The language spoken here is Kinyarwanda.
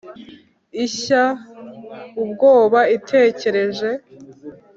ishya ubwoba itekereje